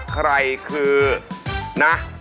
ใครคือนะ